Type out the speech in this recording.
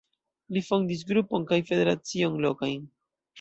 Li fondis grupon kaj federacion lokajn.